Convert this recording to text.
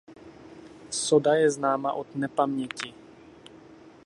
Soda je známa od nepaměti.